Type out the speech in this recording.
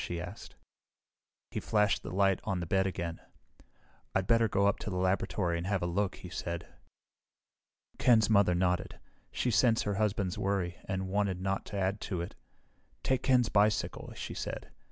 she asked. He flashed the light on the bed again. "I'd better go up to the laboratory and have a look," he said. Ken's mother nodded. She sensed her husband's worry, and wanted not to add to it. "Take Ken's bicycle," she said.